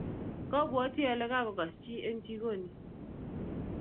Kwobwoti ale kokagas chi eng' chigoni.